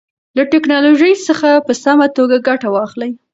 له ټیکنالوژۍ څخه په سمه توګه ګټه واخلئ.